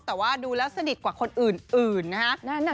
แต่ว่าดูแล้วสนิทกว่าคนอื่นนะฮะ